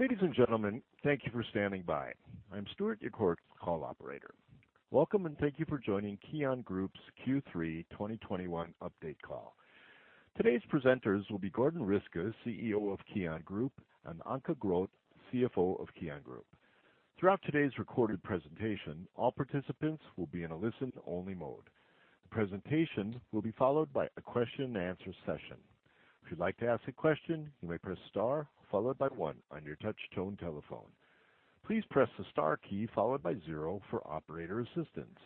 Ladies and gentlemen, thank you for standing by. I'm Stuart Yakort, call operator. Welcome, and thank you for KION Group's Q3 2021 update call. Today's presenters will be Gordon Riske, CEO KION Group, and Anke Groth, CFO KION Group. throughout today's recorded presentation, all participants will be in a listen-only mode. The presentation will be followed by a question-and-answer session. If you'd like to ask a question, you may press star followed by one on your touch-tone telephone. Please press the star key followed by zero for operator assistance.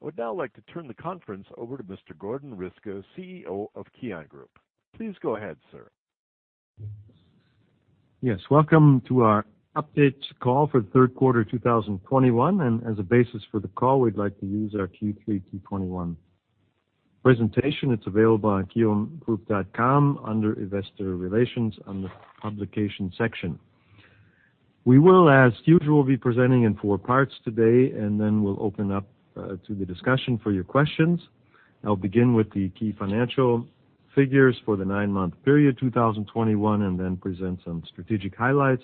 I would now like to turn the conference over to Mr. Gordon Riske, CEO KION Group. please go ahead, sir. Yes. Welcome to our updates call for the Q3 2021, and as a basis for the call, we'd like to use our Q3 2021 presentation. It's available on KIONgroup.com under investor relations on the publication section. We will, as usual, be presenting in four parts today, and then we'll open up to the discussion for your questions. I'll begin with the key financial figures for the nine-month period 2021 and then present some strategic highlights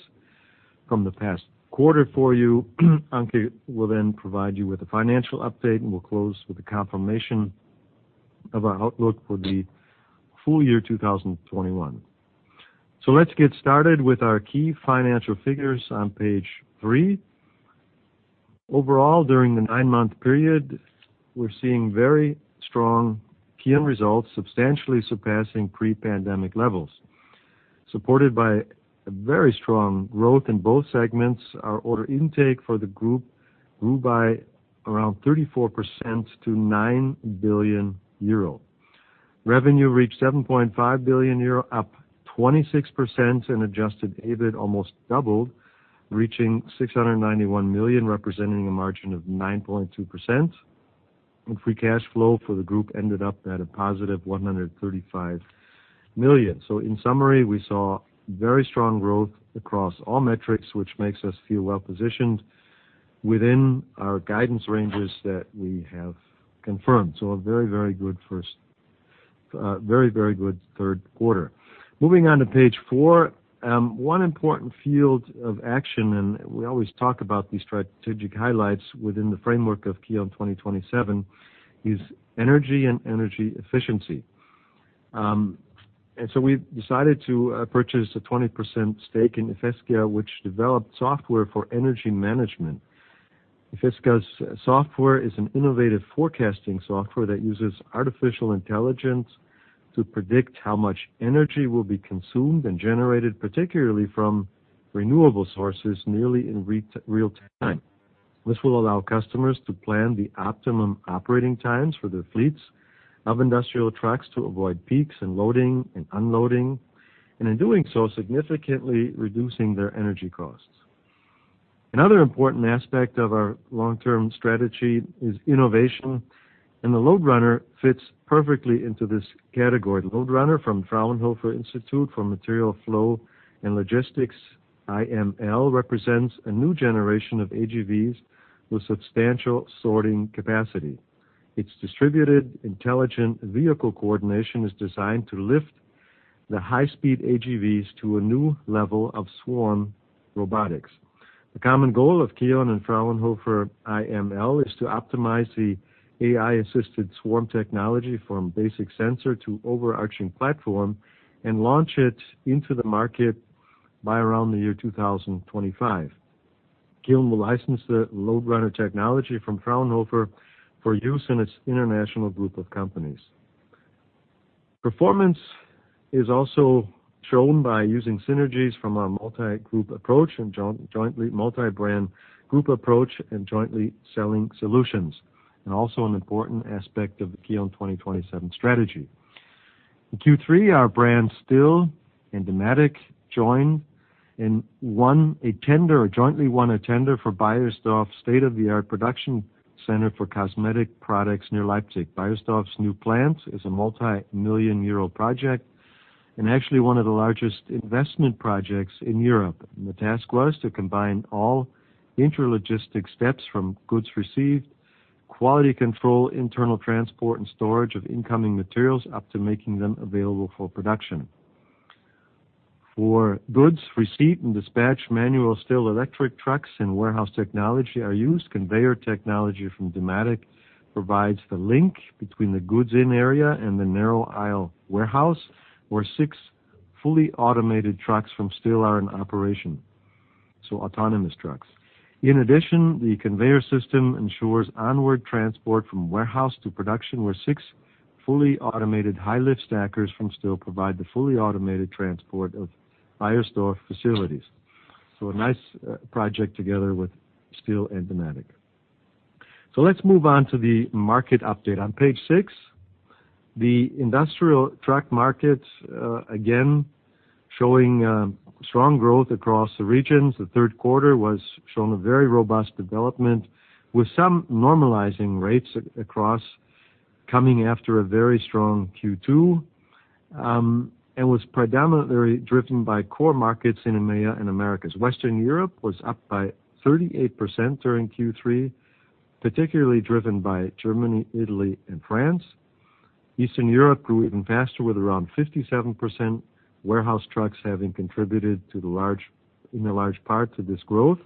from the past quarter for you. Anke will then provide you with a financial update, and we'll close with a confirmation of our outlook for the full year 2021. Let's get started with our key financial figures on page three. Overall, during the nine-month period, we're seeing very strong KION results, substantially surpassing pre-pandemic levels. Supported by a very strong growth in both segments, our order intake for the group grew by around 34% to 9 billion euro. Revenue reached 7.5 billion euro, up 26%, and adjusted EBIT almost doubled, reaching 691 million, representing a margin of 9.2%. Free cash flow for the group ended up at a positive 135 million. In summary, we saw very strong growth across all metrics, which makes us feel well positioned within our guidance ranges that we have confirmed. A very, very good Q3. Moving on to page four. One important field of action, and we always talk about these strategic highlights within the framework of KION 2027, is energy and energy efficiency. We decided to purchase a 20% stake in ifesca, which developed software for energy management. Ifesca's software is an innovative forecasting software that uses artificial intelligence to predict how much energy will be consumed and generated, particularly from renewable sources, nearly in real time. This will allow customers to plan the optimum operating times for their fleets of industrial trucks to avoid peaks in loading and unloading, and in doing so, significantly reducing their energy costs. Another important aspect of our long-term strategy is innovation, and the LoadRunner fits perfectly into this category. LoadRunner from Fraunhofer Institute for Material Flow and Logistics, IML, represents a new generation of AGVs with substantial sorting capacity. Its distributed intelligent vehicle coordination is designed to lift the high-speed AGVs to a new level of swarm robotics. The common goal of KION and Fraunhofer IML is to optimize the AI-assisted swarm technology from basic sensor to overarching platform and launch it into the market by around 2025. KION will license the LoadRunner technology from Fraunhofer for use in its international group of companies. Performance is also shown by using synergies from our multi-group approach and multi-brand group approach and jointly selling solutions, and also an important aspect of the KION 2027 strategy. In Q3, our brands STILL and Dematic joined and won a tender, or jointly won a tender for Beiersdorf's state-of-the-art production center for cosmetic products near Leipzig. Beiersdorf's new plant is a multimillion EUR project and actually one of the largest investment projects in Europe. The task was to combine all intralogistics steps from goods received, quality control, internal transport, and storage of incoming materials, up to making them available for production. For goods receipt and dispatch, manual STILL electric trucks and warehouse technology are used. Conveyor technology from Dematic provides the link between the goods in area and the narrow aisle warehouse, where six fully automated trucks from STILL are in operation, so autonomous trucks. In addition, the conveyor system ensures onward transport from warehouse to production, where six fully automated high-lift stackers from STILL provide the fully automated transport of Beiersdorf facilities. A nice project together with STILL and Dematic. Let's move on to the market update. On page six, the industrial truck market, again, showing strong growth across the regions. The Q3 was shown a very robust development with some normalizing rates across, coming after a very strong Q2, and was predominantly driven by core markets in EMEA and Americas. Western Europe was up by 38% during Q3, particularly driven by Germany, Italy, and France. Eastern Europe grew even faster with around 57%, warehouse trucks having contributed in a large part to this growth.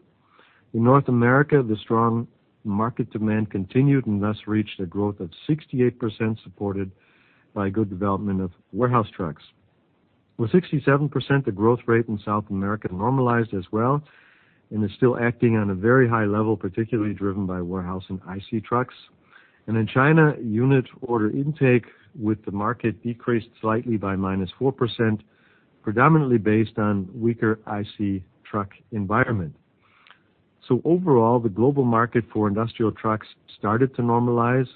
In North America, the strong market demand continued and thus reached a growth of 68%, supported by good development of warehouse trucks. With 67%, the growth rate in South America normalized as well, and is still acting on a very high level, particularly driven by warehouse and IC trucks. In China, unit order intake with the market decreased slightly by -4%, predominantly based on weaker IC truck environment. Overall, the global market for industrial trucks started to normalize.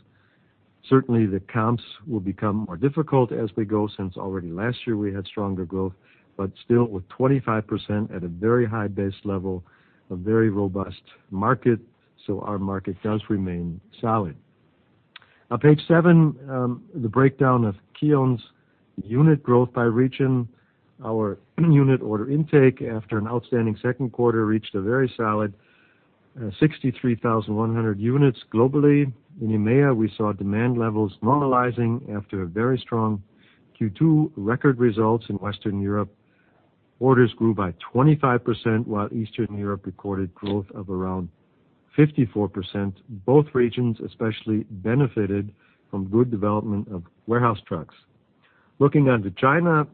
Certainly, the comps will become more difficult as we go, since already last year we had stronger growth, but still with 25% at a very high base level, a very robust market, so our market does remain solid. On page seven, the breakdown of KION's unit growth by region. Our unit order intake after an outstanding Q2 reached a very solid, 63,100 units globally. In EMEA, we saw demand levels normalizing after a very strong Q2 record results in Western Europe. Orders grew by 25%, while Eastern Europe recorded growth of around 54%. Both regions especially benefited from good development of warehouse trucks. Looking on to China,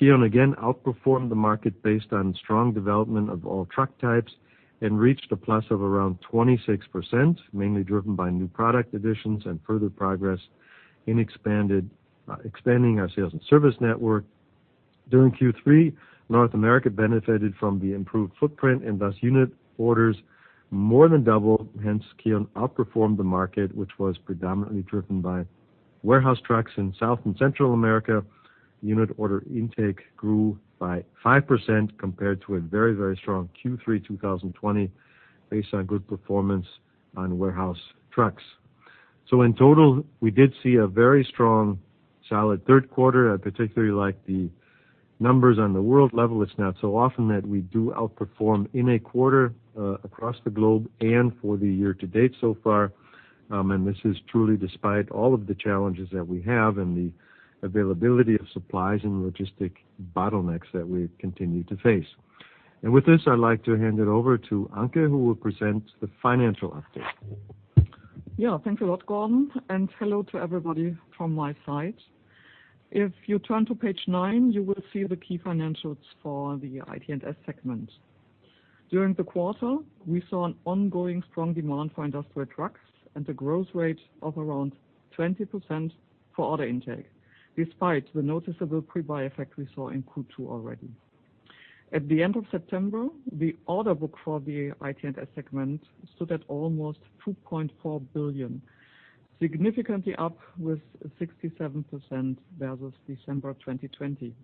KION again outperformed the market based on strong development of all truck types and reached a plus of around 26%, mainly driven by new product additions and further progress in expanding our sales and service network. During Q3, North America benefited from the improved footprint, and thus unit orders more than doubled. Hence, KION outperformed the market, which was predominantly driven by warehouse trucks. In South and Central America, unit order intake grew by 5% compared to a very, very strong Q3 2020, based on good performance on warehouse trucks. In total, we did see a very strong, solid Q3. I particularly like the numbers on the world level. It's not so often that we do outperform in a quarter across the globe and for the year to date so far. This is truly despite all of the challenges that we have and the availability of supplies and logistics bottlenecks that we continue to face. With this, I'd like to hand it over to Anke, who will present the financial update. Yeah. Thanks a lot, Gordon, and hello to everybody from my side. If you turn to page nine, you will see the key financials for the ITS segment. During the quarter, we saw an ongoing strong demand for industrial trucks and a growth rate of around 20% for order intake, despite the noticeable pre-buy effect we saw in Q2 already. At the end of September, the order book for the ITS segment stood at almost 2.4 billion, significantly up with 67% versus December 2020.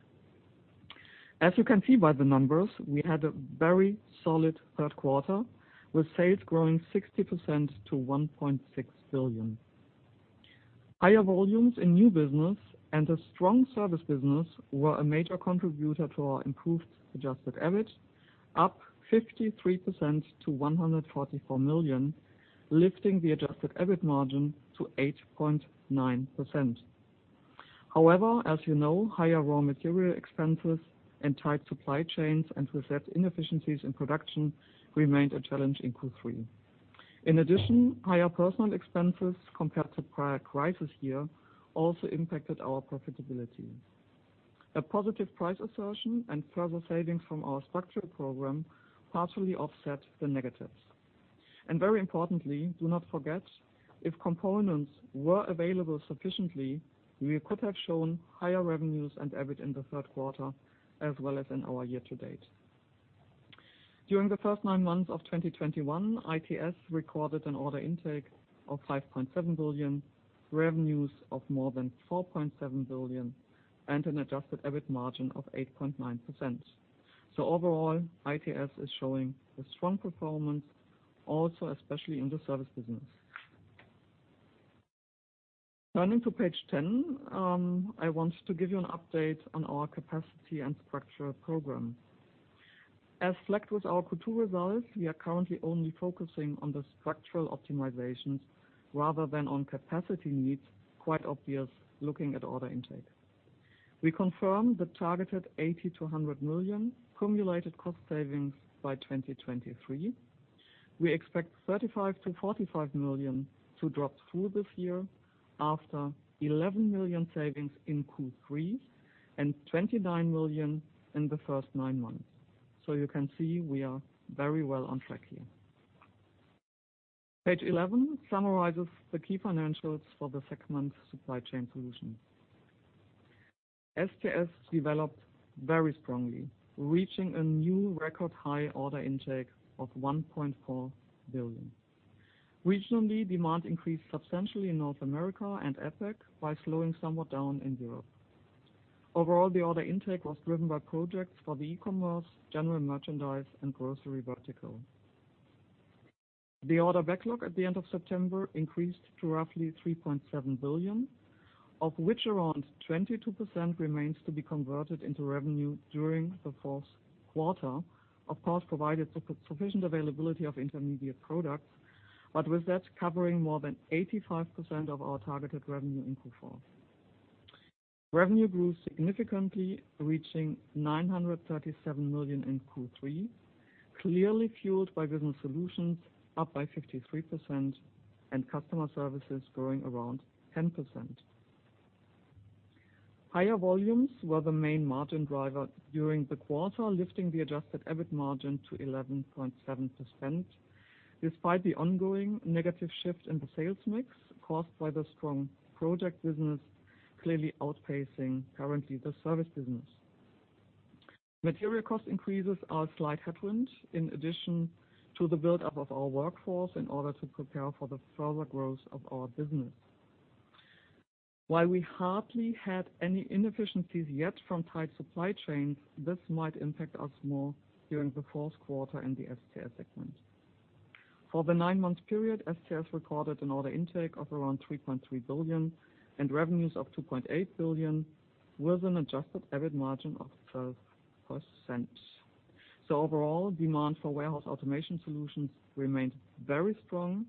As you can see by the numbers, we had a very solid Q3, with sales growing 60% to 1.6 billion. Higher volumes in new business and a strong service business were a major contributor to our improved adjusted EBIT, up 53% to 144 million, lifting the adjusted EBIT margin to 8.9%. However, as you know, higher raw material expenses and tight supply chains and with that inefficiencies in production remained a challenge in Q3. In addition, higher personal expenses compared to prior crisis year also impacted our profitability. A positive price assertion and further savings from our structural program partially offset the negatives. Very importantly, do not forget, if components were available sufficiently, we could have shown higher revenues and EBIT in the Q3, as well as in our year to date. During the first nine months of 2021, ITS recorded an order intake of 5.7 billion, revenues of more than 4.7 billion, and an adjusted EBIT margin of 8.9%. Overall, ITS is showing a strong performance also especially in the service business. Turning to page 10, I want to give you an update on our capacity and structural program. As stated with our Q2 results, we are currently only focusing on the structural optimizations rather than on capacity needs, quite obvious looking at order intake. We confirm the targeted 80 million-100 million cumulated cost savings by 2023. We expect 35 million-45 million to flow through this year after 11 million savings in Q3 and 29 million in the first nine months. You can see we are very well on track here. Page 11 summarizes the key financials for the segment Supply Chain Solutions. SCS developed very strongly, reaching a new record high order intake of 1.4 billion. Regionally, demand increased substantially in North America and APAC but slowing somewhat down in Europe. Overall, the order intake was driven by projects for the e-commerce, general merchandise, and grocery vertical. The order backlog at the end of September increased to roughly 3.7 billion, of which around 22% remains to be converted into revenue during the Q4. Of course, provided sufficient availability of intermediate products, but with that covering more than 85% of our targeted revenue in Q4. Revenue grew significantly, reaching 937 million in Q3, clearly fueled by business solutions up by 53% and customer services growing around 10%. Higher volumes were the main margin driver during the quarter, lifting the adjusted EBIT margin to 11.7%. Despite the ongoing negative shift in the sales mix caused by the strong project business, clearly outpacing currently the service business. Material cost increases are a slight headwind in addition to the buildup of our workforce in order to prepare for the further growth of our business. While we hardly had any inefficiencies yet from tight supply chains, this might impact us more during the Q4 in the SCS segment. For the nine-month period, SCS recorded an order intake of around 3.3 billion and revenues of 2.8 billion, with an adjusted EBIT margin of 12%. Overall, demand for warehouse automation solutions remained very strong,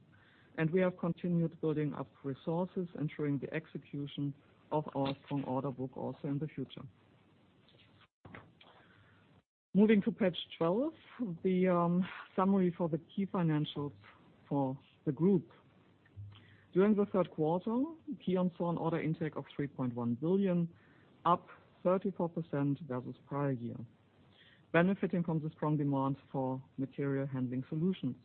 and we have continued building up resources, ensuring the execution of our strong order book also in the future. Moving to page twelve, the summary for the key financials for the group. During the Q3, KION saw an order intake of 3.1 billion, up 34% versus prior year, benefiting from the strong demand for material handling solutions.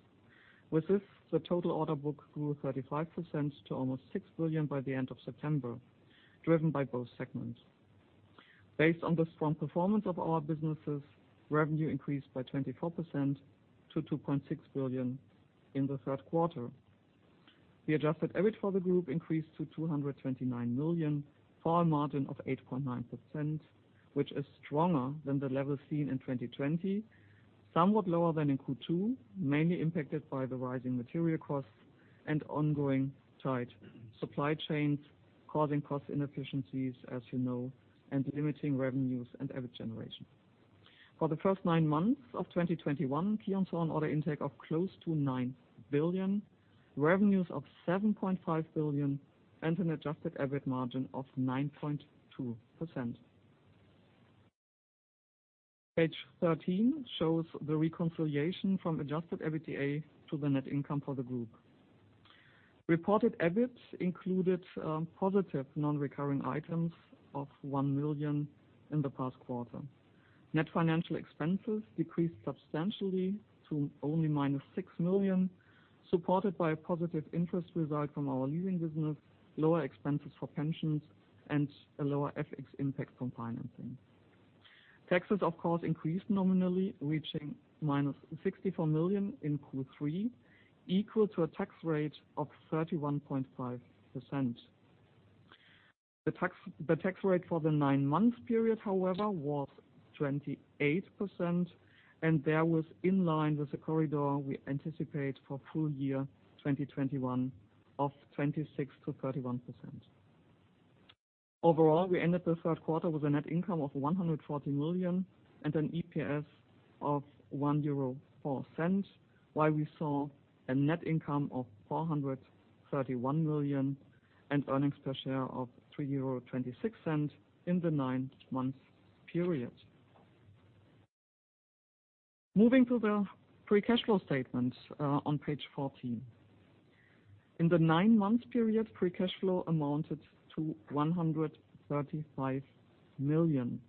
With this, the total order book grew 35% to almost 6 billion by the end of September, driven by both segments. Based on the strong performance of our businesses, revenue increased by 24% to 2.6 billion in the Q3. The adjusted EBIT for the group increased to 229 million for a margin of 8.9%, which is stronger than the level seen in 2020, somewhat lower than in Q2, mainly impacted by the rising material costs and ongoing tight supply chains, causing cost inefficiencies, as you know, and limiting revenues and EBIT generation. For the first nine months of 2021, KION saw an order intake of close to 9 billion, revenues of 7.5 billion, and an adjusted EBIT margin of 9.2%. Page 13 shows the reconciliation from adjusted EBITDA to the net income for the group. Reported EBIT included positive non-recurring items of 1 million in the past quarter. Net financial expenses decreased substantially to only -6 million, supported by a positive interest result from our leasing business, lower expenses for pensions, and a lower FX impact from financing. Taxes, of course, increased nominally, reaching -64 million in Q3, equal to a tax rate of 31.5%. The tax rate for the nine-month period, however, was 28%, and that was in line with the corridor we anticipate for full year 2021 of 26%-31%. Overall, we ended the Q3 with a net income of 140 million and an EPS of 1.04 euro, while we saw a net income of 431 million and earnings per share of 3.26 euro in the nine-month period. Moving to the free cash flow statement on page 14. In the nine-month period, free cash flow amounted to 135 million.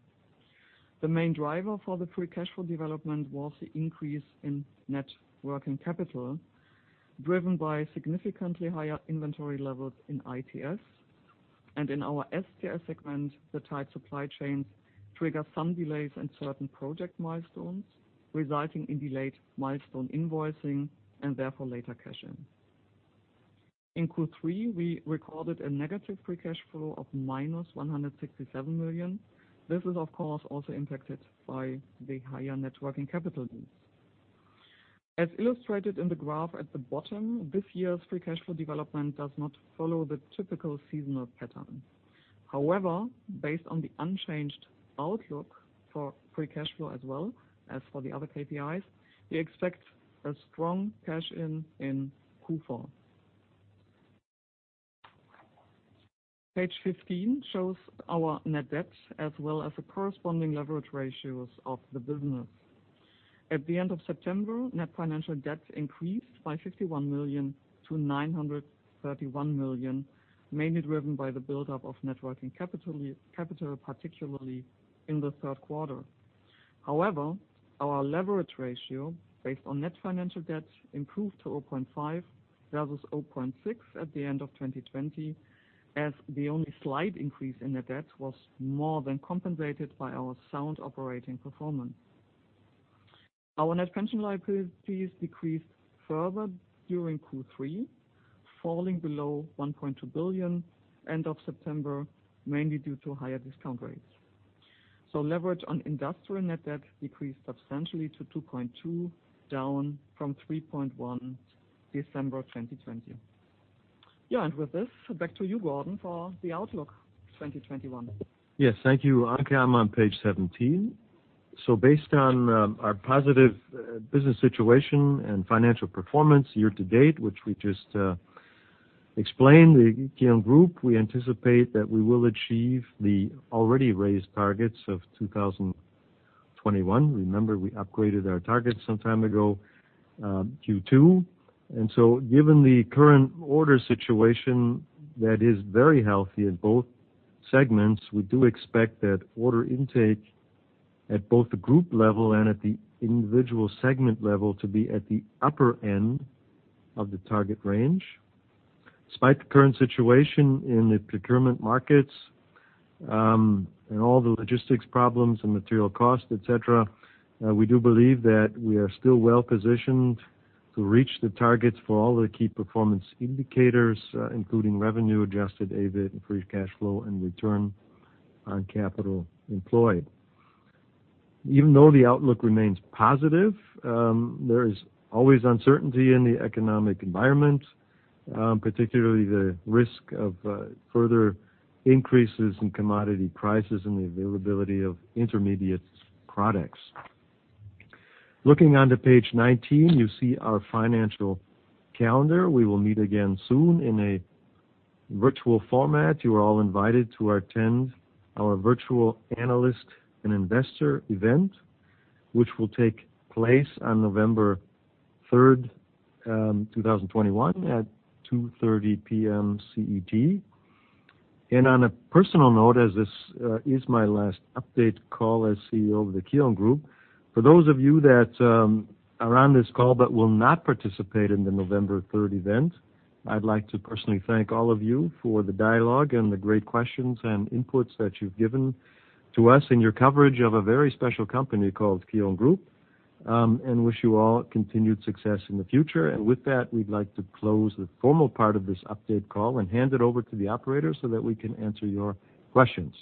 The main driver for the free cash flow development was the increase in net working capital, driven by significantly higher inventory levels in ITS. In our SCS segment, the tight supply chains triggered some delays in certain project milestones, resulting in delayed milestone invoicing and therefore later cash in. In Q3, we recorded a negative free cash flow of -167 million. This is, of course, also impacted by the higher net working capital needs. As illustrated in the graph at the bottom, this year's free cash flow development does not follow the typical seasonal pattern. However, based on the unchanged outlook for free cash flow as well as for the other KPIs, we expect a strong cash in in Q4. Page 15 shows our net debt as well as the corresponding leverage ratios of the business. At the end of September, net financial debt increased by 51 million-931 million, mainly driven by the buildup of net working capital particularly in the Q3. However, our leverage ratio based on net financial debt improved to 0.5 versus 0.6 at the end of 2020, as the only slight increase in the debt was more than compensated by our sound operating performance. Our net pension liabilities decreased further during Q3, falling below 1.2 billion at the end of September, mainly due to higher discount rates. Leverage on industrial net debt decreased substantially to 2.2, down from 3.1 December 2020. Yeah, with this, back to you, Gordon, for the outlook 2021. Yes. Thank you, Anke. I'm on page 17. Based on our positive business situation and financial performance year to date, which we just explained, KION Group, we anticipate that we will achieve the already raised targets of 2021. Remember, we upgraded our targets some time ago, Q2. Given the current order situation that is very healthy in both segments, we do expect that order intake at both the group level and at the individual segment level to be at the upper end of the target range. Despite the current situation in the procurement markets, and all the logistics problems and material costs, et cetera, we do believe that we are still well-positioned to reach the targets for all the key performance indicators, including revenue, adjusted EBIT, free cash flow, and return on capital employed. Even though the outlook remains positive, there is always uncertainty in the economic environment, particularly the risk of further increases in commodity prices and the availability of intermediate products. Looking onto page 19, you see our financial calendar. We will meet again soon in a virtual format. You are all invited to attend our virtual analyst and investor event, which will take place on November 3, 2021 at 2:30 P.M. CET. On a personal note, as this is my last update call as CEO of KION Group, for those of you that are on this call but will not participate in the November third event, I'd like to personally thank all of you for the dialogue and the great questions and inputs that you've given to us in your coverage of a very special company KION Group, and wish you all continued success in the future. With that, we'd like to close the formal part of this update call and hand it over to the operator so that we can answer your questions.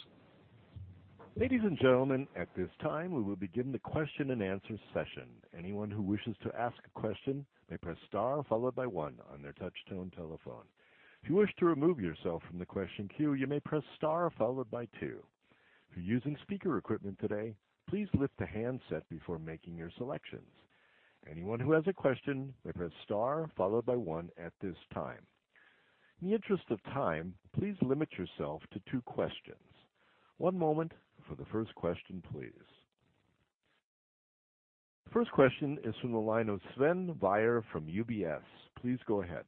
Ladies and gentlemen, at this time, we will begin the question and answer session. Anyone who wishes to ask a question may press star followed by one on their touch-tone telephone. If you wish to remove yourself from the question queue, you may press star followed by two. If you're using speaker equipment today, please lift the handset before making your selections. Anyone who has a question may press star followed by one at this time. In the interest of time, please limit yourself to two questions. One moment for the first question, please. First question is from the line of Sven Weier from UBS. Please go ahead.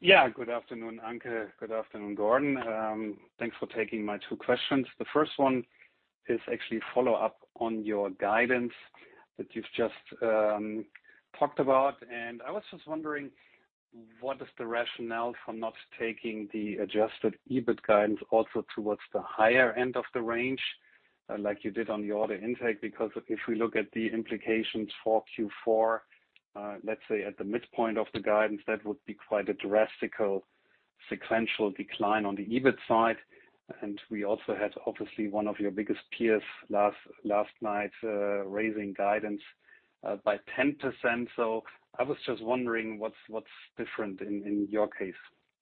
Yeah, good afternoon, Anke. Good afternoon, Gordon. Thanks for taking my two questions. The first one is actually a follow-up on your guidance that you've just talked about. I was just wondering, what is the rationale for not taking the adjusted EBIT guidance also towards the higher end of the range, like you did on the order intake? Because if we look at the implications for Q4, let's say at the midpoint of the guidance, that would be quite a drastic sequential decline on the EBIT side. We also had, obviously, one of your biggest peers last night raising guidance by 10%. I was just wondering what's different in your case.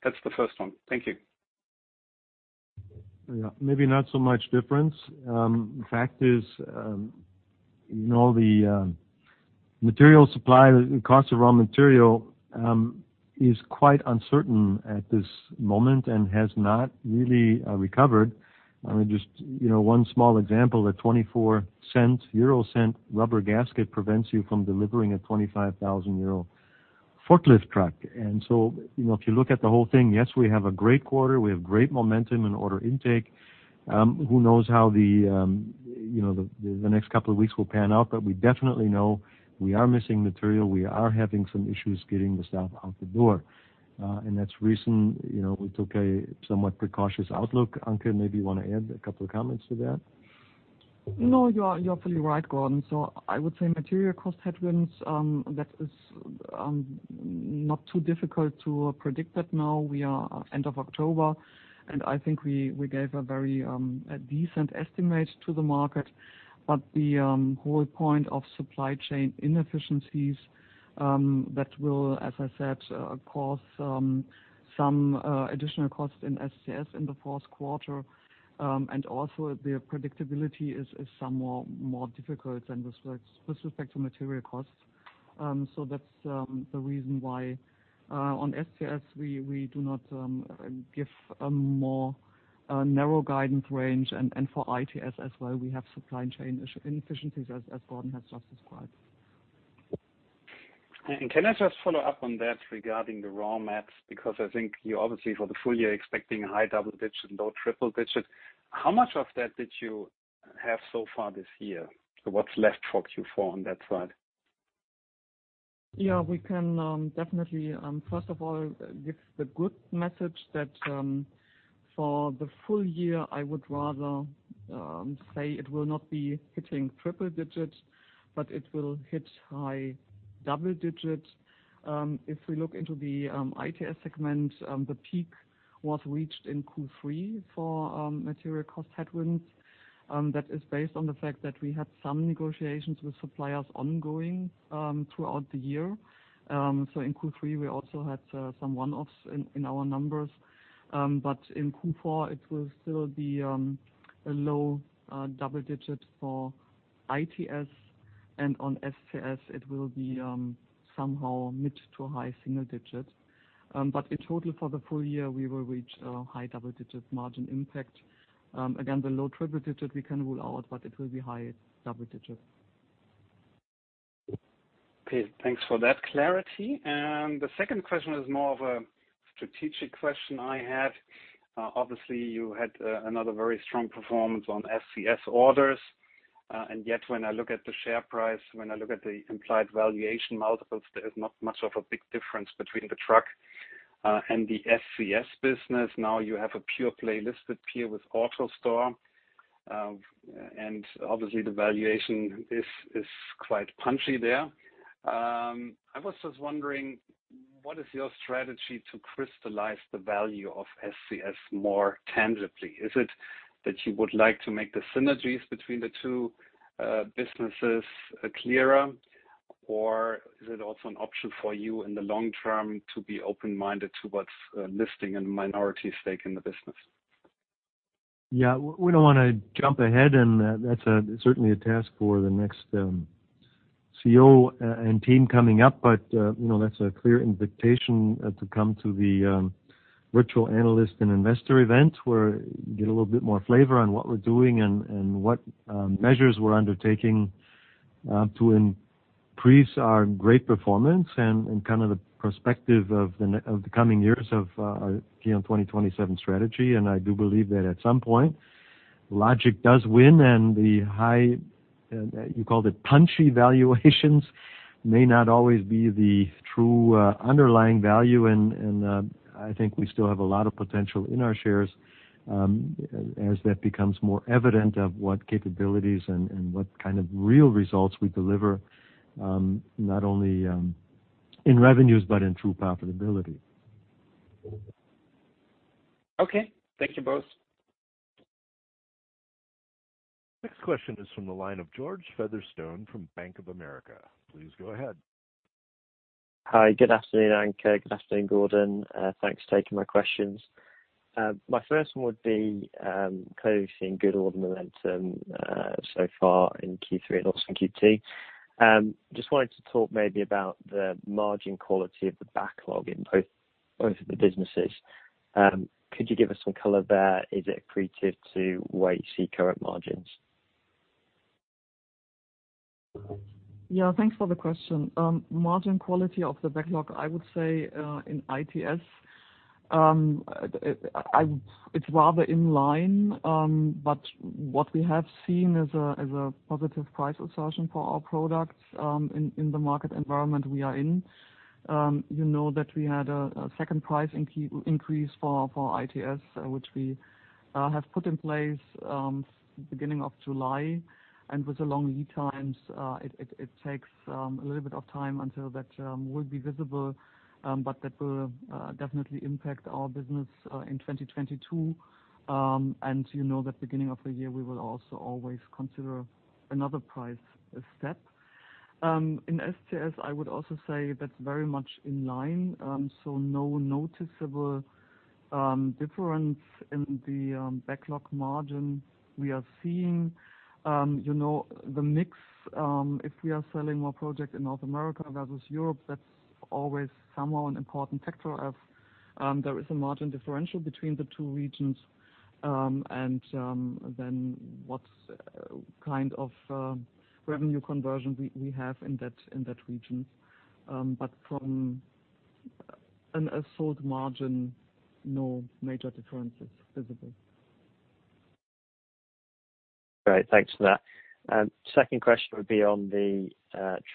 That's the first one. Thank you. Yeah. Maybe not so much difference. The fact is, you know, the material supply, the cost of raw material, is quite uncertain at this moment and has not really recovered. I mean, just, you know, one small example, a 0.24 rubber gasket prevents you from delivering a 25,000 euro forklift truck. You know, if you look at the whole thing, yes, we have a great quarter. We have great momentum and order intake. Who knows how the, you know, the next couple of weeks will pan out, but we definitely know we are missing material. We are having some issues getting the stuff out the door. That's the reason, you know, we took a somewhat cautious outlook. Anke, maybe you wanna add a couple of comments to that? No, you are fully right, Gordon. I would say material cost headwinds that is not too difficult to predict that now we are end of October, and I think we gave a very decent estimate to the market. The whole point of supply chain inefficiencies that will, as I said, cause some additional costs in SCS in the Q4. The predictability is somewhat more difficult with respect to material costs. That's the reason why on SCS, we do not give a more narrow guidance range. For ITS as well, we have supply chain inefficiencies as Gordon has just described. Can I just follow up on that regarding the raw mats? Because I think you're obviously expecting for the full year high double digits and low triple digits. How much of that did you have so far this year? What's left for Q4 on that side? Yeah. We can definitely first of all give the good message that for the full year I would rather say it will not be hitting triple digits but it will hit high double digits%. If we look into the ITS segment the peak was reached in Q3 for material cost headwinds. That is based on the fact that we had some negotiations with suppliers ongoing throughout the year. In Q3 we also had some one-offs in our numbers. In Q4 it will still be a low double digits% for ITS. On SCS it will be somehow mid- to high single digits%. In total for the full year we will reach a high double-digit% margin impact. Again, the low triple-digit we can rule out, but it will be high double-digit. Okay, thanks for that clarity. The second question is more of a strategic question I have. Obviously, you had another very strong performance on SCS orders, and yet when I look at the share price, when I look at the implied valuation multiples, there is not much of a big difference between the truck and the SCS business. Now, you have a pure play listed peer with AutoStore, and obviously the valuation is quite punchy there. I was just wondering, what is your strategy to crystallize the value of SCS more tangibly? Is it that you would like to make the synergies between the two businesses clearer, or is it also an option for you in the long term to be open-minded towards listing and minority stake in the business? Yeah. We don't wanna jump ahead, and that's certainly a task for the next CEO and team coming up. You know, that's a clear invitation to come to the virtual analyst and investor event where you get a little bit more flavor on what we're doing and what measures we're undertaking to increase our great performance and kind of the perspective of the coming years of our KION 2027 strategy. I do believe that at some point, logic does win and the high, you call it, punchy valuations may not always be the true underlying value. I think we still have a lot of potential in our shares, as that becomes more evident of what capabilities and what kind of real results we deliver, not only in revenues but in true profitability. Okay. Thank you both. Next question is from the line of George Featherstone from Bank of America. Please go ahead. Hi. Good afternoon, Anke. Good afternoon, Gordon. Thanks for taking my questions. My first one would be, clearly seeing good order momentum, so far in Q3 and also in Q2. Just wanted to talk maybe about the margin quality of the backlog in both of the businesses. Could you give us some color there? Is it accretive to where you see current margins? Yeah, thanks for the question. Margin quality of the backlog, I would say, in ITS, it's rather in line. But what we have seen is a positive price assertion for our products, in the market environment we are in. You know that we had a second price increase for ITS, which we have put in place, beginning of July. With the long lead times, it takes a little bit of time until that will be visible, but that will definitely impact our business, in 2022. You know that beginning of the year, we will also always consider another price step. In SCS, I would also say that's very much in line, so no noticeable difference in the backlog margin we are seeing. You know, the mix, if we are selling more product in North America versus Europe, that's always somewhat an important factor as there is a margin differential between the two regions, and then what kind of revenue conversion we have in that region. But from an overall margin, no major differences visible. Great. Thanks for that. Second question would be on the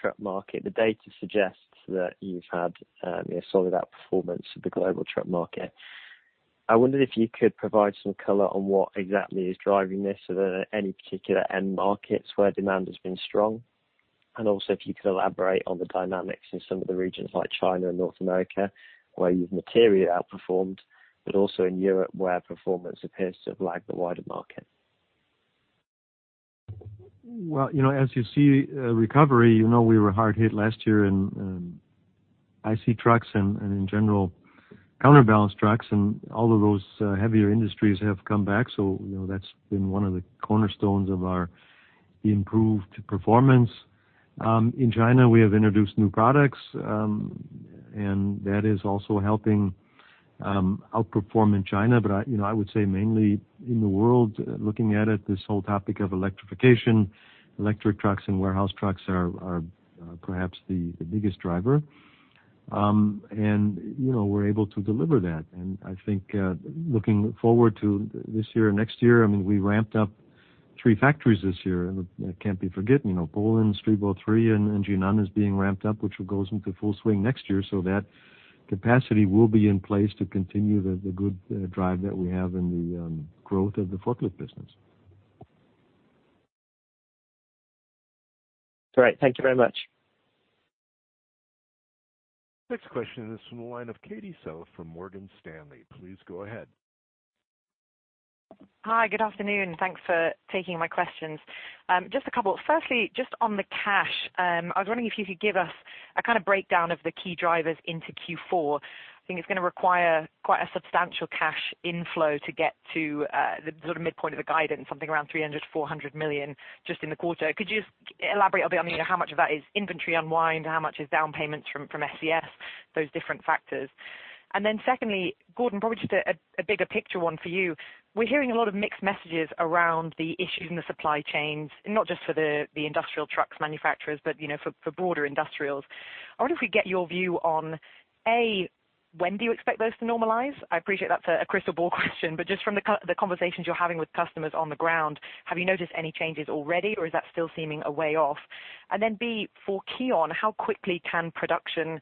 truck market. The data suggests that you've had a solid outperformance of the global truck market. I wonder if you could provide some color on what exactly is driving this. Are there any particular end markets where demand has been strong? Also, if you could elaborate on the dynamics in some of the regions like China and North America, where you've materially outperformed, but also in Europe, where performance appears to have lagged the wider market. Well, you know, as you see, recovery. You know, we were hard hit last year in IC trucks and in general counterbalance trucks and all of those heavier industries have come back. You know, that's been one of the cornerstones of our improved performance. In China, we have introduced new products, and that is also helping outperform in China. I, you know, I would say mainly in the world, looking at it, this whole topic of electrification. Electric trucks and warehouse trucks are perhaps the biggest driver. You know, we're able to deliver that. I think, looking forward to this year and next year, I mean, we ramped up three factories this year. That can't be forgotten. You know, Poland, Stryków three, and Jinan is being ramped up, which goes into full swing next year. That capacity will be in place to continue the good drive that we have in the growth of the forklift business. Great. Thank you very much. Next question is from the line of Katie Self from Morgan Stanley. Please go ahead. Hi, good afternoon. Thanks for taking my questions. Just a couple. Firstly, just on the cash, I was wondering if you could give us a kind of breakdown of the key drivers into Q4. I think it's gonna require quite a substantial cash inflow to get to the sort of midpoint of the guidance, something around 300 million-400 million just in the quarter. Could you just elaborate a bit on, you know, how much of that is inventory unwind, how much is down payments from SCS, those different factors? Then secondly, Gordon, probably just a bigger picture one for you. We're hearing a lot of mixed messages around the issues in the supply chains, not just for the industrial trucks manufacturers, but, you know, for broader industrials. I wonder if we get your view on A, when do you expect those to normalize? I appreciate that's a crystal ball question, but just from the conversations you're having with customers on the ground, have you noticed any changes already, or is that still seeming a way off? Then B, for KION, how quickly can production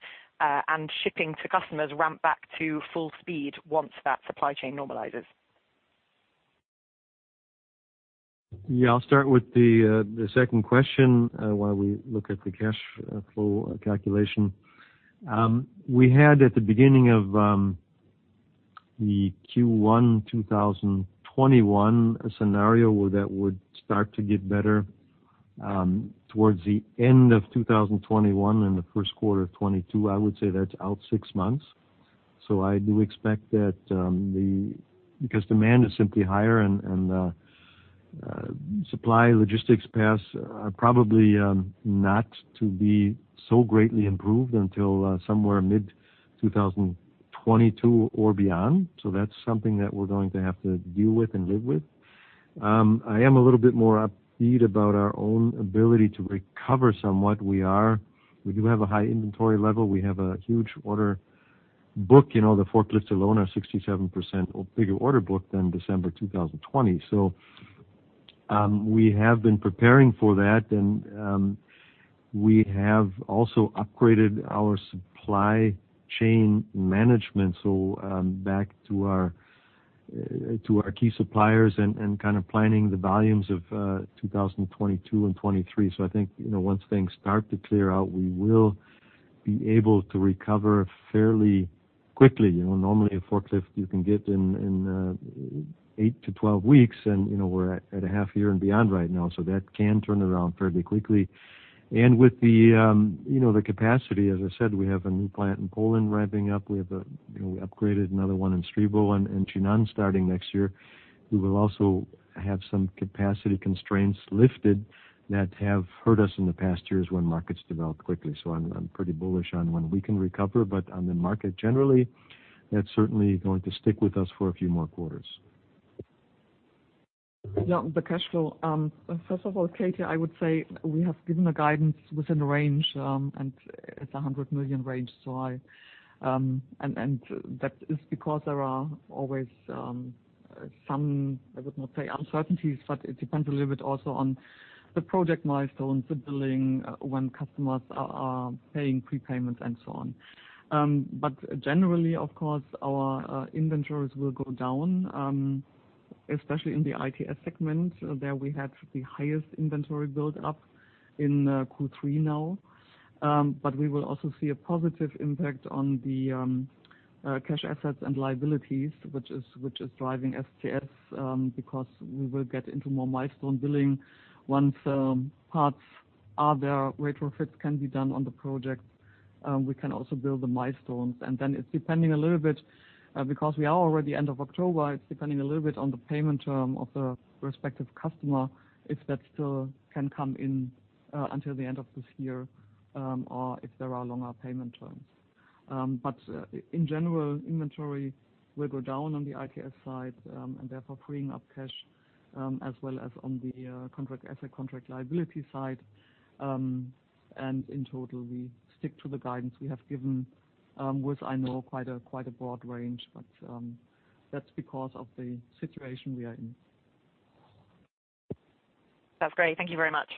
and shipping to customers ramp back to full speed once that supply chain normalizes? I'll start with the second question while we look at the cash flow calculation. We had at the beginning of the Q1 2021, a scenario where that would start to get better towards the end of 2021 and the Q1 of 2022. I would say that's out six months. I do expect that because demand is simply higher and supply logistics paths are probably not to be so greatly improved until somewhere mid-2022 or beyond. That's something that we're going to have to deal with and live with. I am a little bit more upbeat about our own ability to recover somewhat. We do have a high inventory level. We have a huge order book. You know, the forklifts alone are 67% bigger order book than December 2020. We have been preparing for that and we have also upgraded our supply chain management, so back to our key suppliers and kind of planning the volumes of 2022 and 2023. I think, you know, once things start to clear out, we will be able to recover fairly quickly. You know, normally a forklift you can get in 8-12 weeks, and, you know, we're at a half year and beyond right now. That can turn around fairly quickly. With the, you know, the capacity, as I said, we have a new plant in Poland ramping up. We have, you know, we upgraded another one in Stříbro and Jinan starting next year. We will also have some capacity constraints lifted that have hurt us in the past years when markets develop quickly. I'm pretty bullish on when we can recover. On the market generally, that's certainly going to stick with us for a few more quarters. Yeah, the cash flow. First of all, Katie, I would say we have given a guidance within range, and it's a 100 million range. That is because there are always some, I would not say uncertainties, but it depends a little bit also on the project milestones, the billing, when customers are paying prepayments and so on. Generally, of course, our inventories will go down, especially in the ITS segment. There we have the highest inventory built up in Q3 now. We will also see a positive impact on the cash assets and liabilities, which is driving SCS, because we will get into more milestone billing. Once parts are there, retrofits can be done on the projects, we can also build the milestones. It's depending a little bit because we are already at the end of October. It's depending a little bit on the payment term of the respective customer, if that still can come in until the end of this year or if there are longer payment terms. In general, inventory will go down on the ITS side and therefore freeing up cash as well as on the contract asset, contract liability side. In total, we stick to the guidance we have given with, I know, quite a broad range. That's because of the situation we are in. That's great. Thank you very much.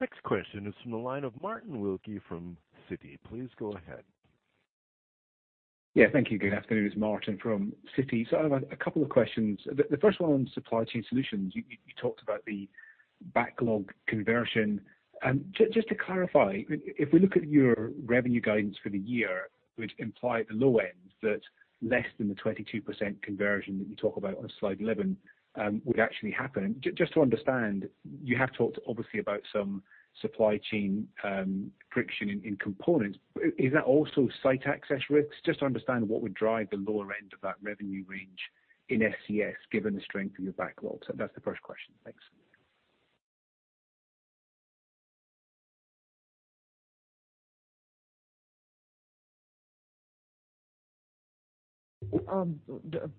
Next question is from the line of Martin Wilkie from Citi. Please go ahead. Yeah. Thank you. Good afternoon. It's Martin from Citi. I have a couple of questions. The first one on Supply Chain Solutions. You talked about the backlog conversion. Just to clarify, if we look at your revenue guidance for the year, which imply at the low end that less than the 22% conversion that you talk about on slide 11, would actually happen. Just to understand, you have talked obviously about some supply chain friction in components. Is that also site access risks? Just to understand what would drive the lower end of that revenue range in SCS given the strength of your backlog. That's the first question. Thanks.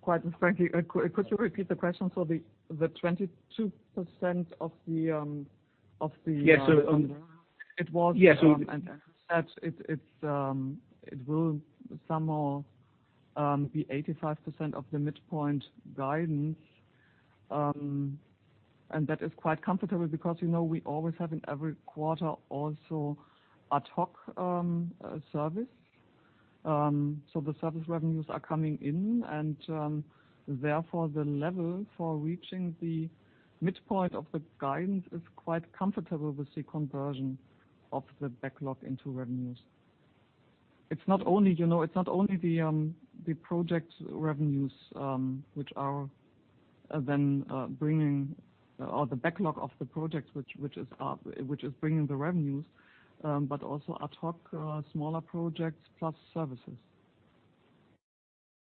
Quite frankly, could you repeat the question for the 22% of the Yeah. It was. Yeah. It will somehow be 85% of the midpoint guidance. That is quite comfortable because, you know, we always have in every quarter also ad hoc service. The service revenues are coming in, and therefore the level for reaching the midpoint of the guidance is quite comfortable with the conversion of the backlog into revenues. It's not only, you know, the project revenues which are then bringing or the backlog of the projects which is bringing the revenues, but also ad hoc smaller projects plus services.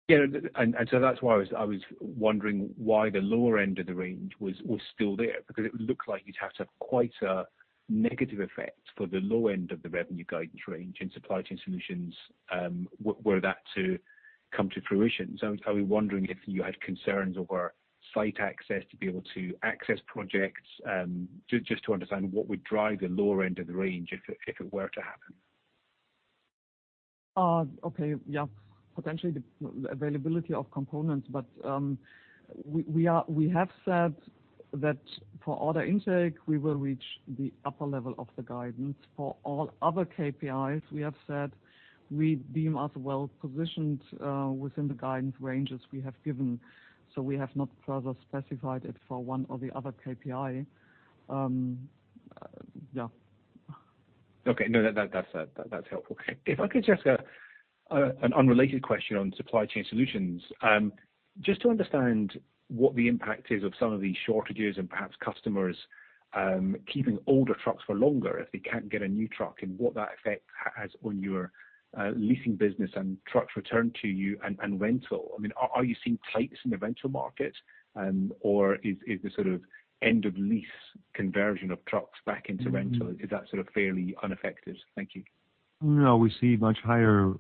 That's why I was wondering why the lower end of the range was still there, because it would look like you'd have to have quite a negative effect for the low end of the revenue guidance range in Supply Chain Solutions, were that to come to fruition. I was wondering if you had concerns over site access to be able to access projects, just to understand what would drive the lower end of the range if it were to happen. Potentially the availability of components. We have said that for order intake, we will reach the upper level of the guidance. For all other KPIs, we have said we deem us well-positioned within the guidance ranges we have given, so we have not further specified it for one or the other KPI. Okay. No, that's helpful. If I could just ask an unrelated question on Supply Chain Solutions. Just to understand what the impact is of some of these shortages and perhaps customers keeping older trucks for longer if they can't get a new truck, and what that effect has on your leasing business and trucks returned to you and rental. I mean, are you seeing tightness in the rental market? Or is the sort of end of lease conversion of trucks back into rental? Mm-hmm. Is that sort of fairly unaffected? Thank you. No, we see much higher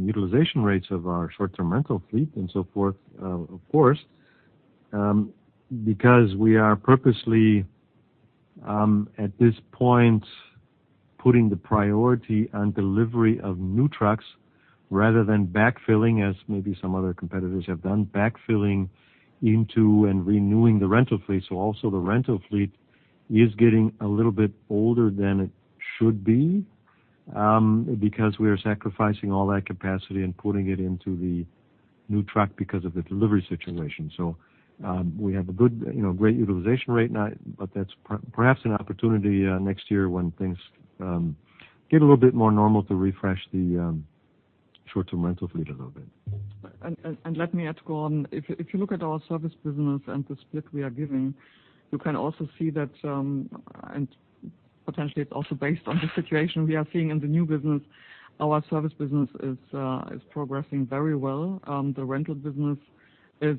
utilization rates of our short-term rental fleet and so forth, of course, because we are purposely, at this point, putting the priority on delivery of new trucks rather than backfilling, as maybe some other competitors have done, backfilling into and renewing the rental fleet. Also the rental fleet is getting a little bit older than it should be, because we are sacrificing all that capacity and putting it into the new truck because of the delivery situation. We have a good, you know, great utilization rate now, but that's perhaps an opportunity, next year when things get a little bit more normal to refresh the short-term rental fleet a little bit. Let me add, Gordon. If you look at our service business and the split we are giving, you can also see that, and potentially it's also based on the situation we are seeing in the new business, our service business is progressing very well. The rental business is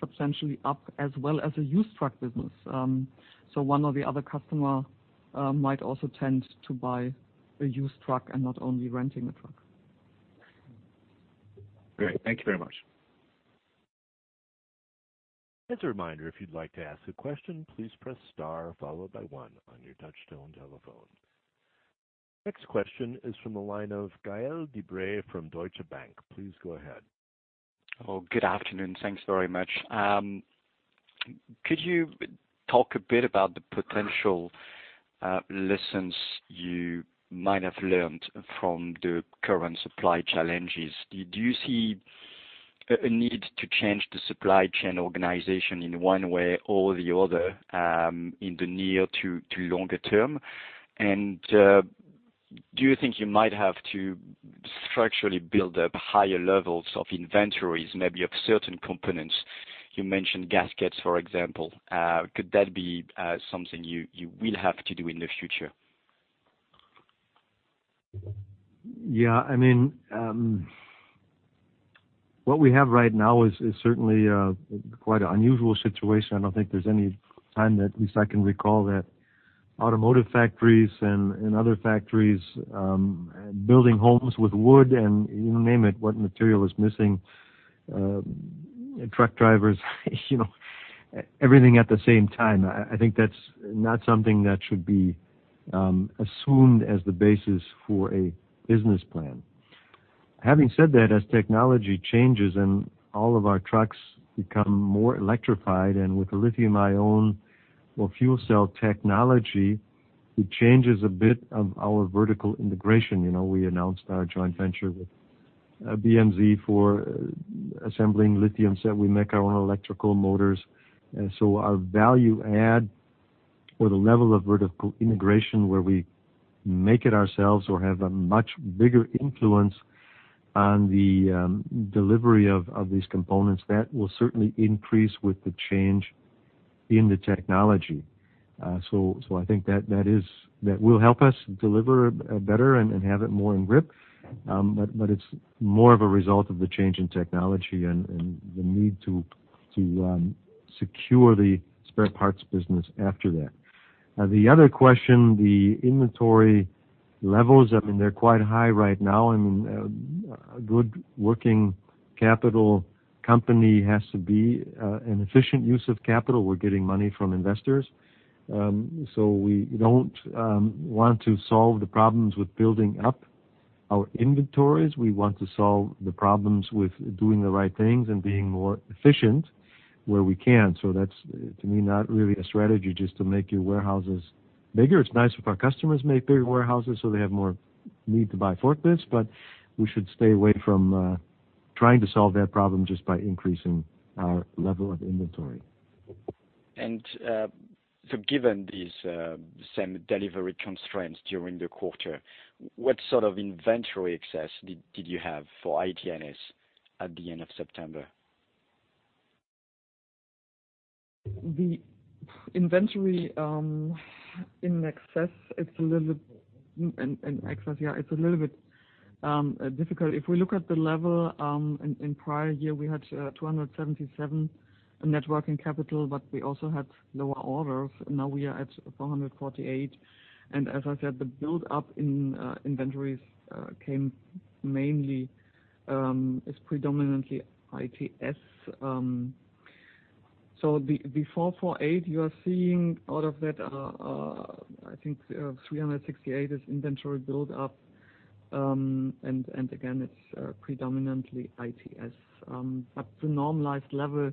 substantially up as well as the used truck business. One or the other customer might also tend to buy a used truck and not only renting a truck. Great. Thank you very much. As a reminder, if you'd like to ask a question, please press star followed by one on your touchtone telephone. Next question is from the line of Gael De Bray from Deutsche Bank. Please go ahead. Oh, good afternoon. Thanks very much. Could you talk a bit about the potential lessons you might have learned from the current supply challenges? Do you see a need to change the supply chain organization in one way or the other, in the near to longer term? Do you think you might have to structurally build up higher levels of inventories, maybe of certain components? You mentioned gaskets, for example. Could that be something you will have to do in the future? Yeah. I mean, what we have right now is certainly quite an unusual situation. I don't think there's any time that at least I can recall that automotive factories and other factories building homes with wood and you name it, what material is missing, truck drivers, you know, everything at the same time. I think that's not something that should be assumed as the basis for a business plan. Having said that, as technology changes and all of our trucks become more electrified, and with the lithium-ion or fuel cell technology, it changes a bit of our vertical integration. You know, we announced our joint venture with BMZ for assembling lithium, that we make our own electric motors. Our value add or the level of vertical integration where we make it ourselves or have a much bigger influence on the delivery of these components, that will certainly increase with the change in the technology. I think that will help us deliver better and have it more in grip. It's more of a result of the change in technology and the need to secure the spare parts business after that. The other question, the inventory levels, I mean, they're quite high right now. I mean, a good working capital company has to be an efficient use of capital. We're getting money from investors, so we don't want to solve the problems with building up our inventories. We want to solve the problems with doing the right things and being more efficient where we can. That's, to me, not really a strategy just to make your warehouses bigger. It's nice if our customers make bigger warehouses, so they have more need to buy forklifts, but we should stay away from trying to solve that problem just by increasing our level of inventory. Given these same delivery constraints during the quarter, what sort of inventory excess did you have for ITS at the end of September? The inventory in excess, it's a little bit difficult. If we look at the level in prior year, we had 277 net working capital, but we also had lower orders. Now we are at 448, and as I said, the build-up in inventories came mainly is predominantly ITS. The 448 you are seeing out of that, I think, 368 is inventory build-up. Again, it's predominantly ITS. At the normalized level,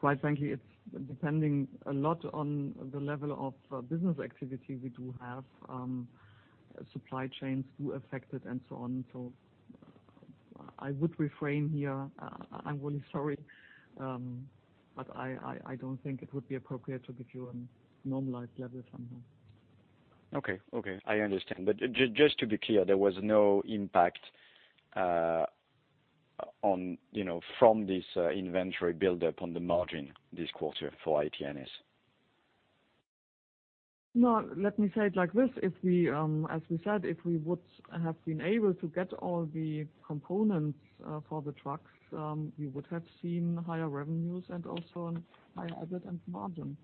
quite frankly, it's depending a lot on the level of business activity we do have. Supply chains do affect it, and so on. I would refrain here. I'm really sorry, but I don't think it would be appropriate to give you a normalized level somehow. Okay. I understand. Just to be clear, there was no impact on, you know, from this inventory build-up on the margin this quarter for ITS. No, let me say it like this. If we, as we said, if we would have been able to get all the components for the trucks, we would have seen higher revenues and also higher EBIT and margin,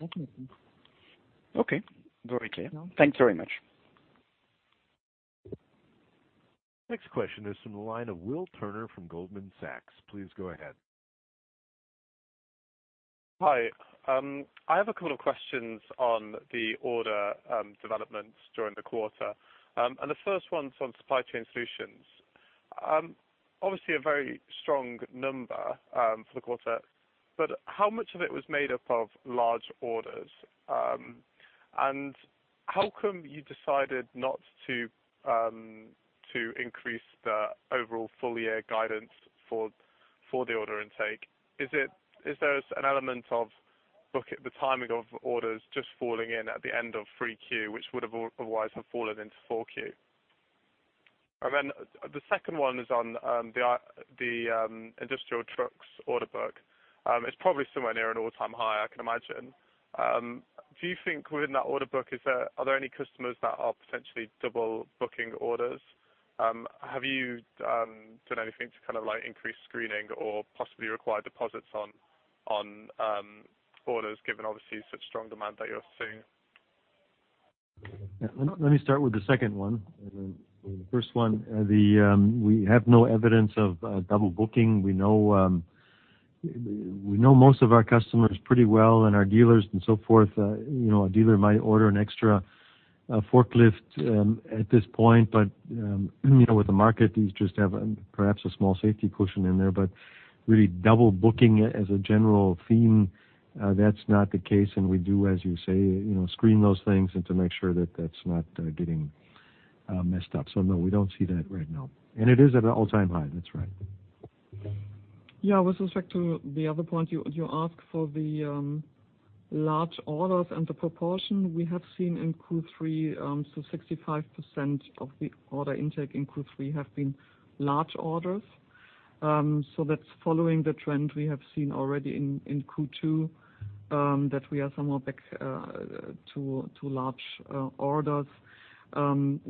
definitely. Okay. Very clear. Yeah. Thanks very much. Next question is from the line of William Turner from Goldman Sachs. Please go ahead. Hi. I have a couple of questions on the order developments during the quarter. The first one's on Supply Chain Solutions. Obviously a very strong number for the quarter, but how much of it was made up of large orders? How come you decided not to increase the overall full-year guidance for the order intake? Is there an element of look at the timing of orders just falling in at the end of Q3, which would have otherwise fallen into Q4? The second one is on the industrial trucks order book. It's probably somewhere near an all-time high, I can imagine. Do you think within that order book, are there any customers that are potentially double booking orders? Have you done anything to kind of like increase screening or possibly require deposits on orders given obviously such strong demand that you're seeing? Yeah. Let me start with the second one. Then the first one, we have no evidence of double booking. We know most of our customers pretty well and our dealers and so forth. You know, a dealer might order an extra forklift at this point, but you know, with the market, these just have perhaps a small safety cushion in there, but really double booking as a general theme, that's not the case. We do, as you say, you know, screen those things and to make sure that that's not getting messed up. So no, we don't see that right now. It is at an all-time high. That's right. Yeah. With respect to the other point, you ask for the large orders and the proportion we have seen in Q3, so 65% of the order intake in Q3 have been large orders. So that's following the trend we have seen already in Q2, that we are somehow back to large orders. From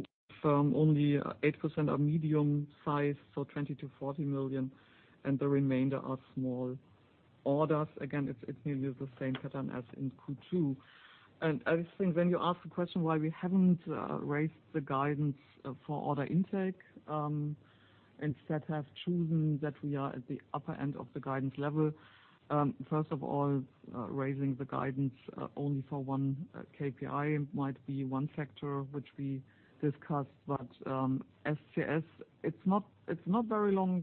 only 8% are medium-sized, so 20 million-40 million, and the remainder are small orders. Again, it's nearly the same pattern as in Q2. I just think when you ask the question why we haven't raised the guidance for order intake, instead have chosen that we are at the upper end of the guidance level. First of all, raising the guidance only for one KPI might be one factor which we discussed. SCS, it's not very long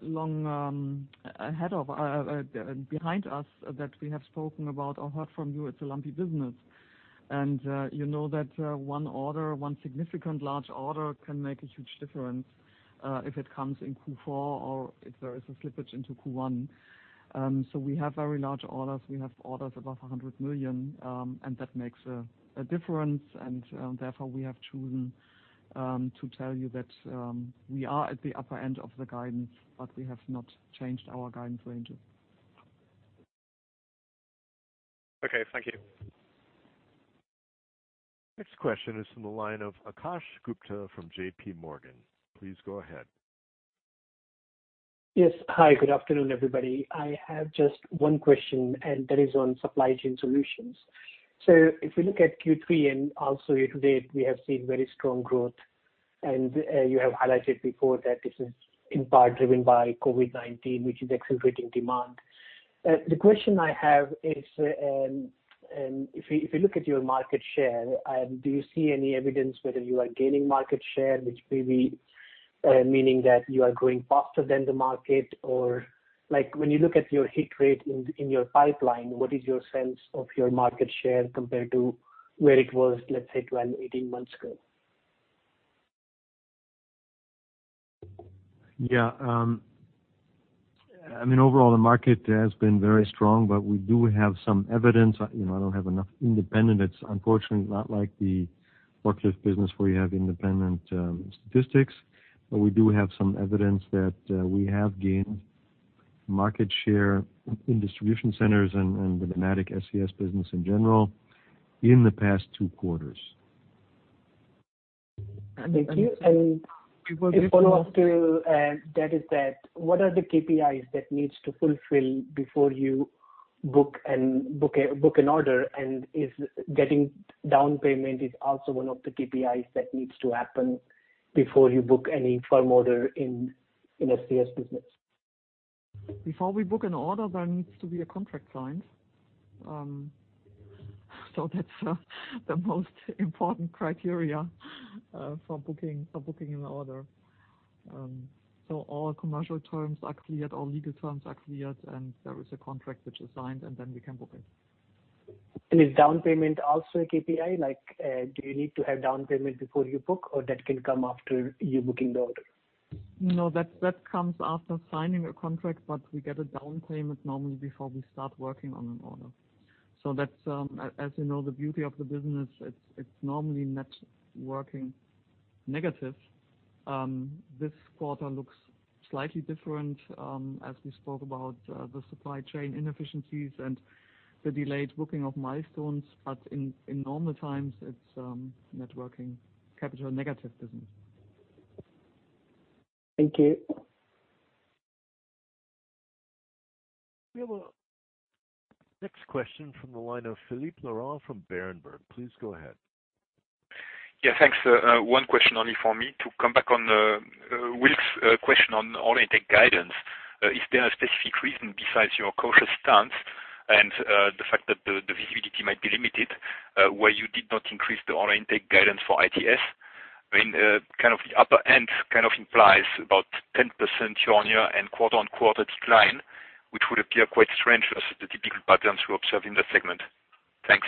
behind us that we have spoken about or heard from you. It's a lumpy business. You know that one significant large order can make a huge difference if it comes in Q4 or if there is a slippage into Q1. We have very large orders. We have orders above 100 million, and that makes a difference. Therefore, we have chosen to tell you that we are at the upper end of the guidance, but we have not changed our guidance range. Okay. Thank you. Next question is from the line of Akash Gupta from J.P. Morgan. Please go ahead. Yes. Hi. Good afternoon, everybody. I have just one question, and that is on Supply Chain Solutions. If we look at Q3 and also year to date, we have seen very strong growth. You have highlighted before that this is in part driven by COVID-19, which is accelerating demand. The question I have is, if you look at your market share, do you see any evidence whether you are gaining market share, which may be meaning that you are growing faster than the market? Like when you look at your hit rate in your pipeline, what is your sense of your market share compared to where it was, let's say, 12, 18 months ago? Yeah. I mean, overall, the market has been very strong, but we do have some evidence. You know, I don't have enough independents. Unfortunately, not like the forklift business where you have independent statistics. We do have some evidence that we have gained market share in distribution centers and with the Dematic SCS business in general in the past two quarters. Thank you. A follow-up to that is what are the KPIs that needs to fulfill before you book an order? Is getting down payment also one of the KPIs that needs to happen before you book any firm order in SCS business. Before we book an order, there needs to be a contract signed. That's the most important criteria for booking an order. All commercial terms are cleared, all legal terms are cleared, and there is a contract which is signed, and then we can book it. Is down payment also a KPI? Like, do you need to have down payment before you book, or that can come after you booking the order? No, that comes after signing a contract, but we get a down payment normally before we start working on an order. That's, as you know, the beauty of the business. It's normally net working capital negative. This quarter looks slightly different, as we spoke about the supply chain inefficiencies and the delayed booking of milestones. In normal times, it's net working capital negative business. Thank you. We have a next question from the line of Philippe Lorrain from Berenberg. Please go ahead. Yeah, thanks. One question only for me. To come back on Will's question on order intake guidance. Is there a specific reason besides your cautious stance and the fact that the visibility might be limited, why you did not increase the order intake guidance for ITS? I mean, kind of the upper end kind of implies about 10% year-on-year and quarter-on-quarter decline, which would appear quite strange as the typical patterns we observe in the segment. Thanks.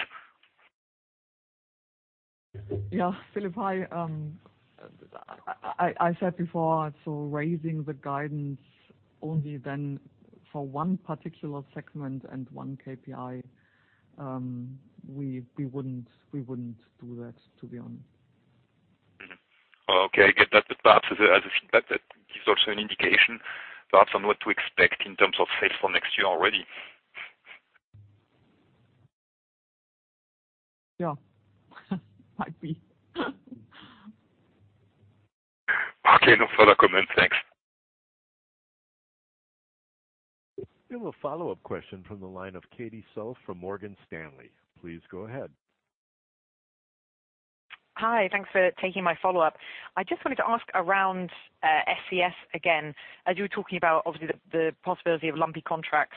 Yeah. Philippe, hi. I said before, raising the guidance only then for one particular segment and one KPI, we wouldn't do that, to be honest. Okay, I get that. Perhaps as a feedback, that gives also an indication perhaps on what to expect in terms of sales for next year already. Yeah. Might be. Okay, no further comments. Thanks. We have a follow-up question from the line of Katie Self from Morgan Stanley. Please go ahead. Hi. Thanks for taking my follow-up. I just wanted to ask about SCS again. As you were talking about, obviously, the possibility of lumpy contracts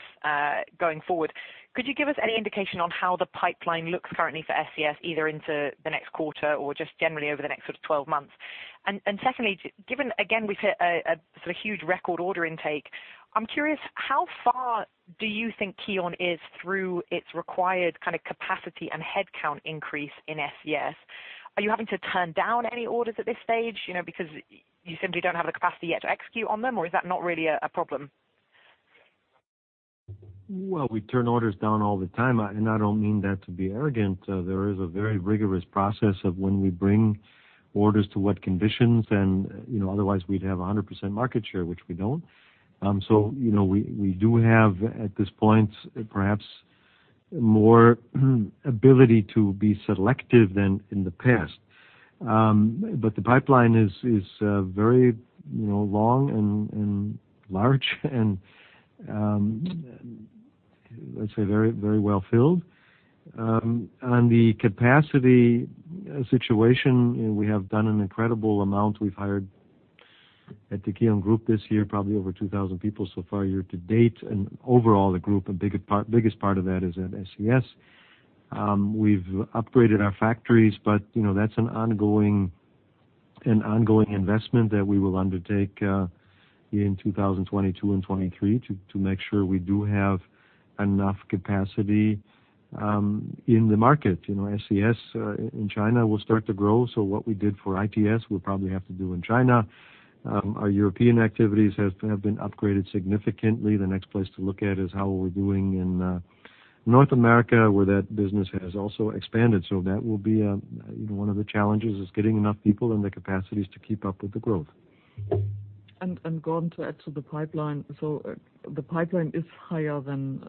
going forward, could you give us any indication on how the pipeline looks currently for SCS, either into the next quarter or just generally over the next sort of 12 months? Secondly, given again, we've hit a sort of huge record order intake. I'm curious, how far do you think KION is through its required kind of capacity and headcount increase in SCS? Are you having to turn down any orders at this stage, you know, because you simply don't have the capacity yet to execute on them, or is that not really a problem? Well, we turn orders down all the time, and I don't mean that to be arrogant. There is a very rigorous process of when we bring orders to what conditions and, you know, otherwise we'd have 100% market share, which we don't. So, you know, we do have, at this point, perhaps more ability to be selective than in the past. But the pipeline is very, you know, long and large and, let's say very well filled. On the capacity situation, we have done an incredible amount. We've hired at KION Group this year, probably over 2,000 people so far year to date. Overall, the biggest part of that is at SCS. We've upgraded our factories, but, you know, that's an ongoing investment that we will undertake in 2022 and 2023 to make sure we do have enough capacity in the market. You know, SCS in China will start to grow, so what we did for ITS, we'll probably have to do in China. Our European activities have been upgraded significantly. The next place to look at is how we're doing in North America, where that business has also expanded. That will be one of the challenges, getting enough people and the capacities to keep up with the growth. Gordon, to add to the pipeline. The pipeline is higher than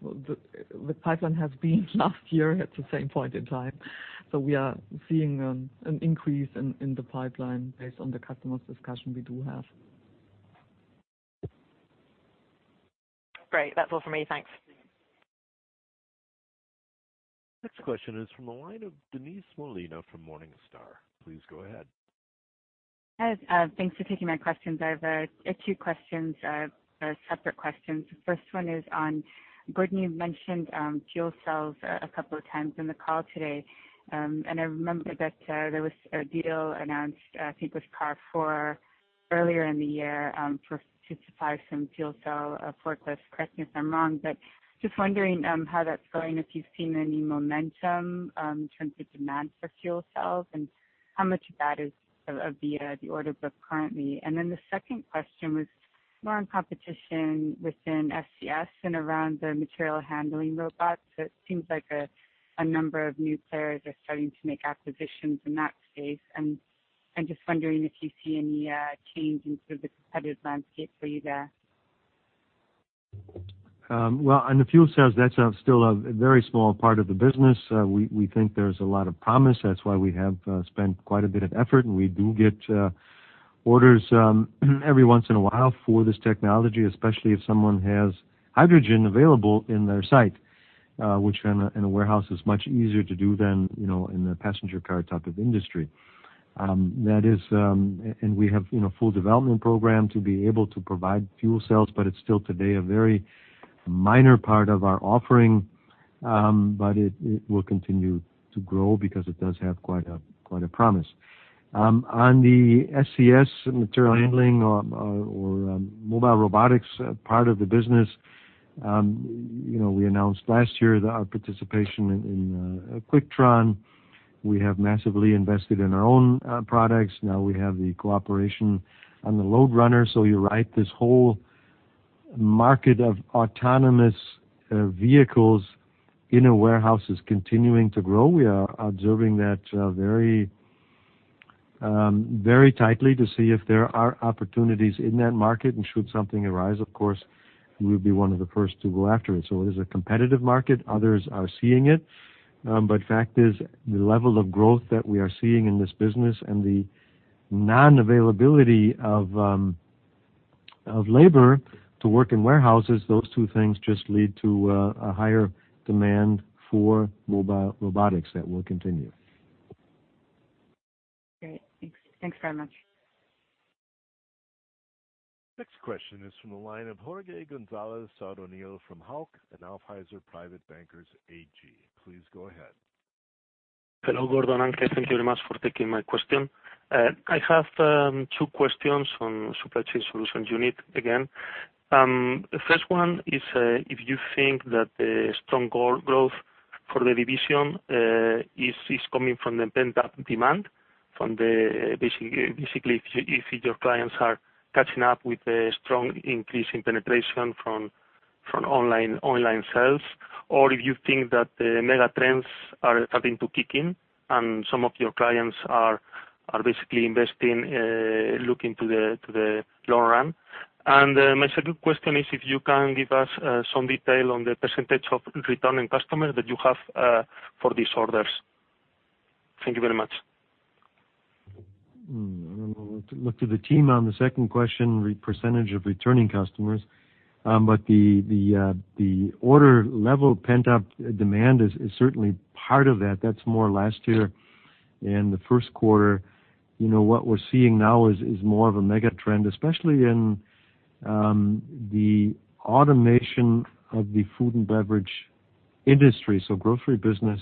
the pipeline has been last year at the same point in time. We are seeing an increase in the pipeline based on the customers' discussions we do have. Great. That's all for me. Thanks. Next question is from the line of Denise Molina from Morningstar. Please go ahead. Hi. Thanks for taking my questions. I have two questions, separate questions. The first one is on, Gordon Riske, you've mentioned fuel cells a couple of times in the call today. I remember that there was a deal announced, I think with Carrefour earlier in the year, to supply some fuel cell forklift. Correct me if I'm wrong, but just wondering how that's going, if you've seen any momentum in terms of demand for fuel cells. How much of that is in the order book currently. The second question was more on competition within SCS and around the material handling robots. It seems like a number of new players are starting to make acquisitions in that space. I'm just wondering if you see any change in sort of the competitive landscape for you there. Well, on the fuel cells, that's still a very small part of the business. We think there's a lot of promise, that's why we have spent quite a bit of effort, and we do get orders every once in a while for this technology, especially if someone has hydrogen available in their site, which in a warehouse is much easier to do than you know in a passenger car type of industry. We have you know full development program to be able to provide fuel cells, but it's still today a very minor part of our offering. It will continue to grow because it does have quite a promise. On the SCS material handling or mobile robotics part of the business, you know, we announced last year that our participation in Quicktron. We have massively invested in our own products. Now we have the cooperation on the LoadRunner. You're right, this whole market of autonomous vehicles in a warehouse is continuing to grow. We are observing that very very tightly to see if there are opportunities in that market. Should something arise, of course, we would be one of the first to go after it. It is a competitive market. Others are seeing it. Fact is, the level of growth that we are seeing in this business and the non-availability of labor to work in warehouses, those two things just lead to a higher demand for mobile robotics that will continue. Great. Thanks. Thanks very much. Next question is from the line of Jorge González Sadornil from Hauck & Aufhäuser Lampe Privatbank AG. Please go ahead. Hello, Gordon and Anke. Thank you very much for taking my question. I have two questions on Supply Chain Solutions unit again. The first one is if you think that the strong growth for the division is coming from the pent-up demand from the basically if your clients are catching up with the strong increase in penetration from online sales. Or if you think that the mega trends are starting to kick in and some of your clients are basically investing looking to the long run. My second question is if you can give us some detail on the percentage of returning customers that you have for these orders. Thank you very much. I'll have to look to the team on the second question, re percentage of returning customers. The order level pent-up demand is certainly part of that. That's more last year in the Q1. You know, what we're seeing now is more of a mega trend, especially in the automation of the food and beverage industry. Grocery business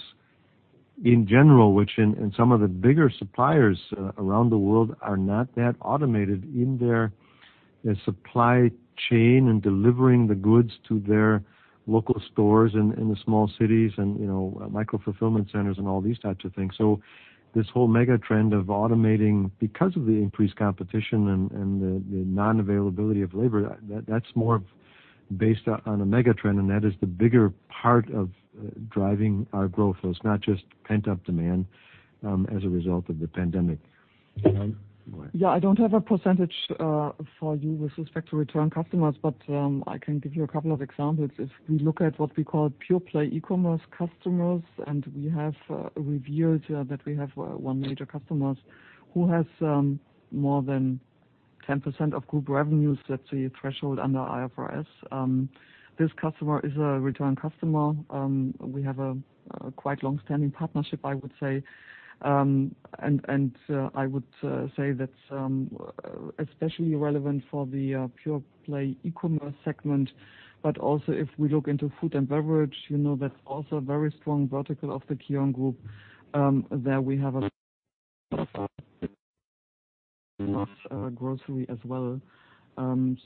in general, which, in some of the bigger suppliers around the world are not that automated in their supply chain and delivering the goods to their local stores in the small cities and, you know, micro-fulfillment centers and all these types of things. This whole mega trend of automating because of the increased competition and the non-availability of labor, that's more based on a mega trend, and that is the bigger part of driving our growth. It's not just pent-up demand as a result of the pandemic. Anke? Go ahead. Yeah. I don't have a percentage for you with respect to return customers, but I can give you a couple of examples. If we look at what we call pure play e-commerce customers, and we have revealed that we have one major customers who has more than 10% of Group revenues. That's the threshold under IFRS. This customer is a return customer. We have a quite long-standing partnership, I would say. I would say that's especially relevant for the pure play e-commerce segment. But also, if we look into food and beverage, you know, that's also a very strong vertical of KION Group. there we have a grocery as well.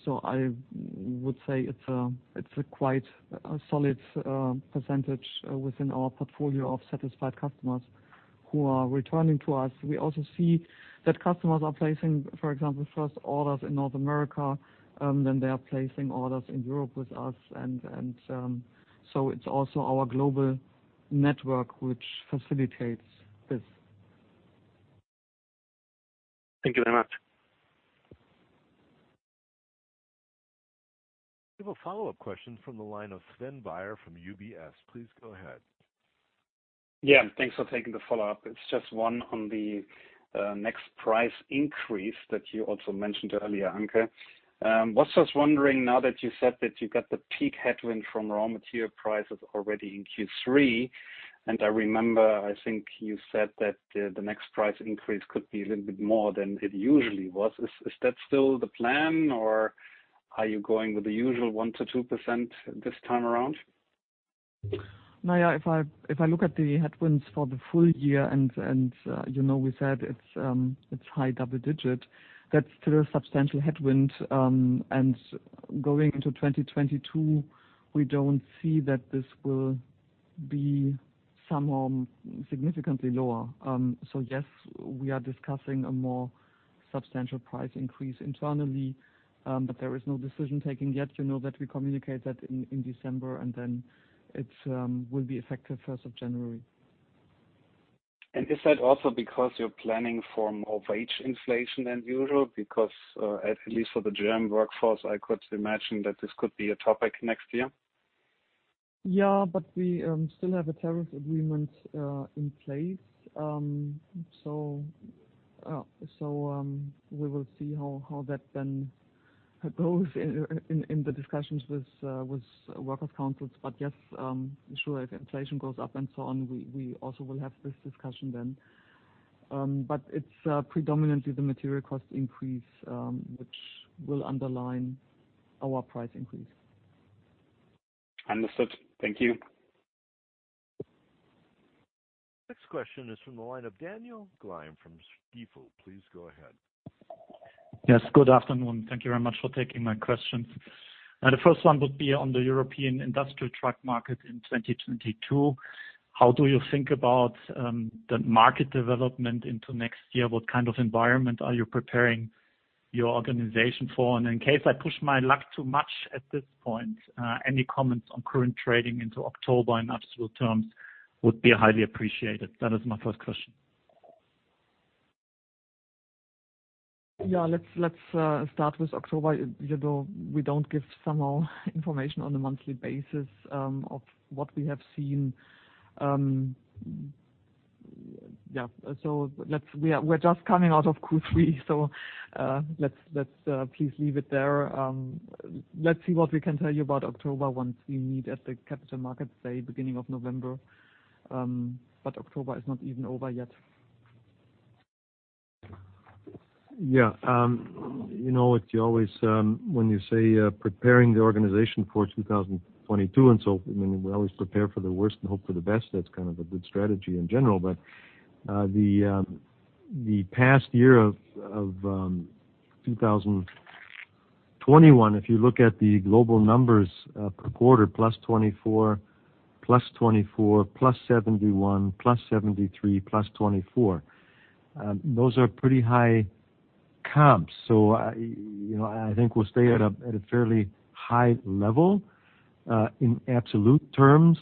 So I would say it's quite a solid percentage within our portfolio of satisfied customers who are returning to us. We also see that customers are placing, for example, first orders in North America, then they are placing orders in Europe with us. It's also our global network which facilitates this. Thank you very much. We have a follow-up question from the line of Sven Weier from UBS. Please go ahead. Yeah. Thanks for taking the follow-up. It's just one on the next price increase that you also mentioned earlier, Anke. I was just wondering now that you said that you got the peak headwind from raw material prices already in Q3. I remember, I think you said that the next price increase could be a little bit more than it usually was. Is that still the plan or are you going with the usual 1%-2% this time around? Weier, if I look at the headwinds for the full year and you know, we said it's high double-digit. That's still a substantial headwind. Going into 2022, we don't see that this will be somehow significantly lower. Yes, we are discussing a more substantial price increase internally, but there is no decision taken yet. You know that we communicate that in December, and then it will be effective 1st of January. Is that also because you're planning for more wage inflation than usual? Because, at least for the GM workforce, I could imagine that this could be a topic next year. We still have a tariff agreement in place. We will see how that then goes in the discussions with works councils. Yes, sure, if inflation goes up and so on, we also will have this discussion then. It's predominantly the material cost increase which will underlie our price increase. Understood. Thank you. Next question is from the line of Daniel Gleim from Stifel. Please go ahead. Yes, good afternoon. Thank you very much for taking my questions. The first one would be on the European industrial truck market in 2022. How do you think about the market development into next year? What kind of environment are you preparing your organization for? In case I push my luck too much at this point, any comments on current trading into October in absolute terms would be highly appreciated. That is my first question. Yeah. Let's start with October. You know, we don't give somehow information on a monthly basis of what we have seen. We're just coming out of Q3 so, let's please leave it there. Let's see what we can tell you about October once we meet at the Capital Markets Day, beginning of November. October is not even over yet. Yeah. You know what, you always, when you say, preparing the organization for 2022, I mean, we always prepare for the worst and hope for the best. That's kind of a good strategy in general. The past year of 2021, if you look at the global numbers per quarter, +24%, +24%, +71%, +73%, +24%, those are pretty high comps. You know, I think we'll stay at a fairly high level in absolute terms.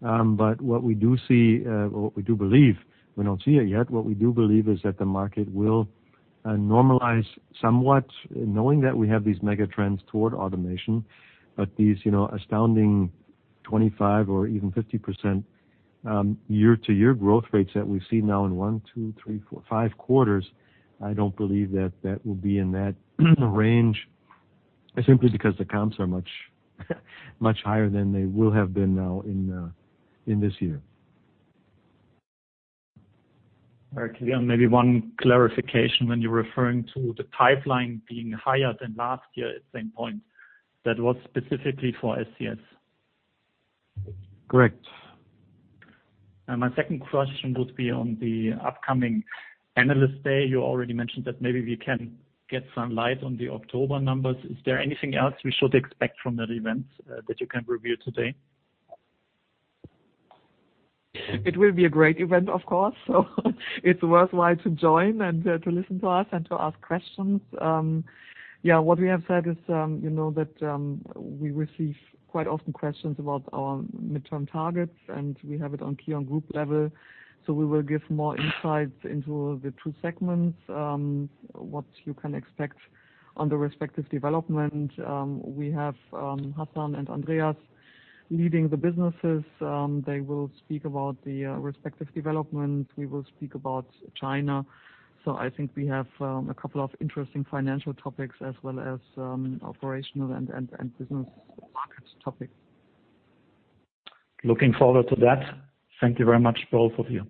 What we do see, or what we do believe, we don't see it yet, what we do believe is that the market will normalize somewhat knowing that we have these mega trends toward automation. These, you know, astounding 25% or even 50% year-to-year growth rates that we see now in 1, 2, 3, 4, 5 quarters, I don't believe that will be in that range simply because the comps are much, much higher than they will have been now in this year. All right. Again, maybe one clarification. When you're referring to the pipeline being higher than last year at the same point, that was specifically for SCS? Correct. My second question would be on the upcoming analyst day. You already mentioned that maybe we can get some light on the October numbers. Is there anything else we should expect from that event, that you can reveal today? It will be a great event, of course. It's worthwhile to join and to listen to us and to ask questions. Yeah. What we have said is, you know, that we receive quite often questions about our midterm targets, and we have it KION Group level. We will give more insights into the two segments, what you can expect on the respective development. We have Hassan and Andreas leading the businesses. They will speak about the respective developments. We will speak about China. I think we have a couple of interesting financial topics as well as operational and business markets topics. Looking forward to that. Thank you very much, both of you.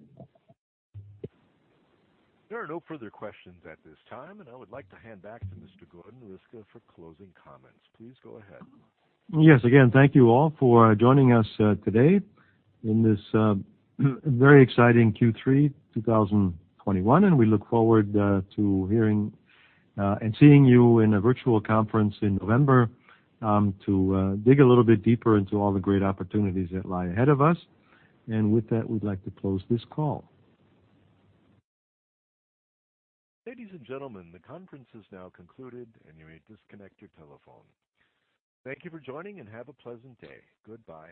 There are no further questions at this time, and I would like to hand back to Mr. Gordon Riske for closing comments. Please go ahead. Yes. Again, thank you all for joining us today in this very exciting Q3 2021. We look forward to hearing and seeing you in a virtual conference in November to dig a little bit deeper into all the great opportunities that lie ahead of us. With that, we'd like to close this call. Ladies and gentlemen, the conference is now concluded, and you may disconnect your telephone. Thank you for joining, and have a pleasant day. Goodbye.